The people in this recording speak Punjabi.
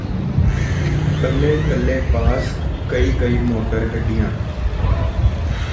ਕੱਲੇ ਕੱਲੇ ਪਾਸ ਕਈ ਕਈ ਮੋਟਰ ਗੱਡੀਆਂ